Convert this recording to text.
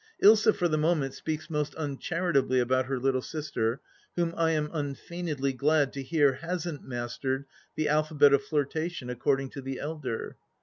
Ilsa for the moment speaks most uncharitably about her little sister, whom I am unfeignedly glad to hear hasnH mastered the alphabet of flirtation according to the elder.